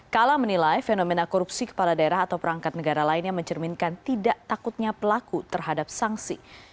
kala menilai fenomena korupsi kepala daerah atau perangkat negara lainnya mencerminkan tidak takutnya pelaku terhadap sanksi